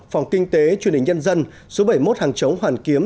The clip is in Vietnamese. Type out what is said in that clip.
phòng kinh tế truyền hình nhân dân số bảy mươi một hàng chống hoàn kiếm